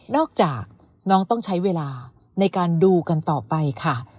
จากน้องต้องใช้เวลาในการดูกันต่อไปค่ะ